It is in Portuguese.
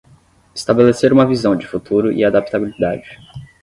Estabelecer uma visão de futuro e adaptabilidade